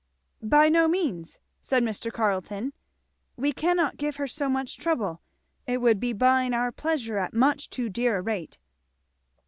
"By no means!" said Mr. Carleton; "we cannot give her so much trouble; it would be buying our pleasure at much too dear a rate."